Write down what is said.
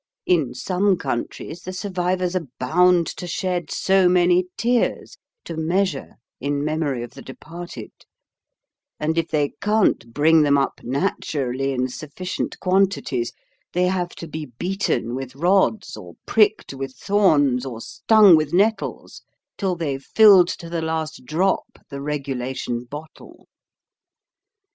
In some countries, the survivors are bound to shed so many tears, to measure, in memory of the departed; and if they can't bring them up naturally in sufficient quantities, they have to be beaten with rods, or pricked with thorns, or stung with nettles, till they've filled to the last drop the regulation bottle.